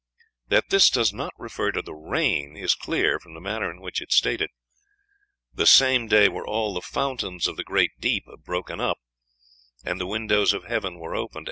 That this does not refer to the rain is clear from the manner in which it is stated: "The same day were all the fountains of the great deep broken up, and the windows of heaven were opened.